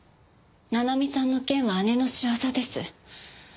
七海さんの件は姉の仕業です。